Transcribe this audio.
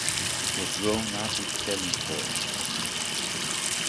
It was drawn up with telling force.